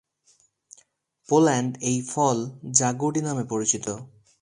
পোল্যান্ডে এই ফল "জাগোডি" নামে পরিচিত।